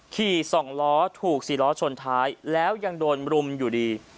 ขี่๒ล้อถูก๔ล้อชนท้ายแล้วยังโดนรุมอยู่ดี